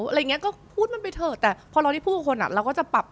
อะไรอย่างนี้ก็พูดมันไปเถอะแต่พอเราได้พูดกับคนอ่ะเราก็จะปรับ